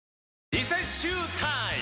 リセッシュータイム！